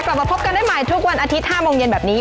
กลับมาพบกันได้ใหม่ทุกวันอาทิตย์๕โมงเย็นแบบนี้